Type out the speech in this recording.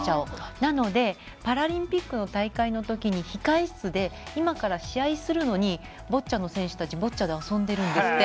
なのでパラリンピックの大会のときに今から試合するのにボッチャの選手たちはボッチャで遊んでいるんですって。